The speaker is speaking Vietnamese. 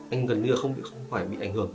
anh gần như không phải bị ảnh hưởng